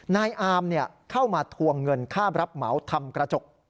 นายอามเข้ามาทวงเงินค่ารับเหมาทำกระจก